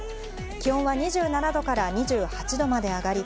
気温は２７度から２８度まで上がり、